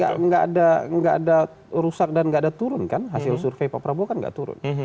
ya nggak ada rusak dan nggak ada turun kan hasil survei pak prabowo kan nggak turun